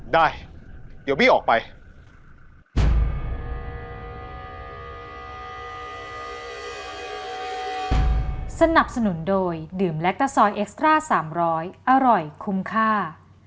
ได้เดี๋ยวบี้ออกไป